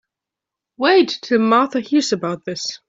Wait till Martha hears about this.